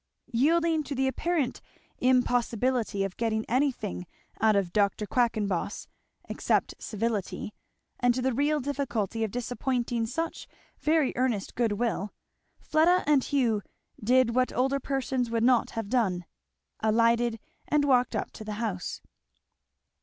Yielding to the apparent impossibility of getting anything out of Dr. Quackenboss, except civility, and to the real difficulty of disappointing such very earnest good will, Fleda and Hugh did what older persons would not have done, alighted and walked up to the house.